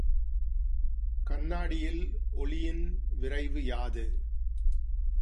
கண்ணாடியில் ஒலியின் விரைவு யாது?